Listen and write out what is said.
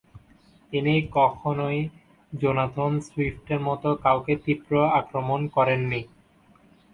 তিনি কখনই জোনাথন সুইফটের মতো কাউকে তীব্র আক্রমণ করেননি।